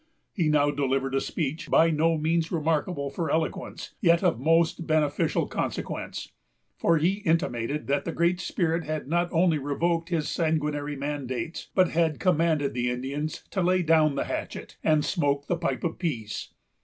He now delivered a speech by no means remarkable for eloquence, yet of most beneficial consequence; for he intimated that the Great Spirit had not only revoked his sanguinary mandates, but had commanded the Indians to lay down the hatchet, and smoke the pipe of peace.